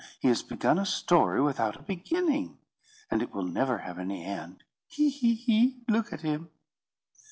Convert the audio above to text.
He has begun a story without a beginning, and it will never have any end. He! he! he! Look at him!"